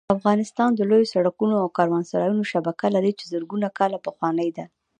افغانستان د لویو سړکونو او کاروانسراوو شبکه لري چې زرګونه کاله پخوانۍ ده